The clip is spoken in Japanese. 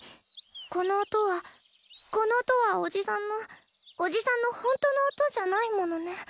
この音はこの音はおじさんのおじさんのほんとの音じゃないものね。